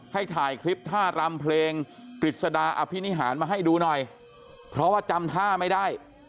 ถ่ายคลิปท่ารำเพลงกฤษฎาอภินิหารมาให้ดูหน่อยเพราะว่าจำท่าไม่ได้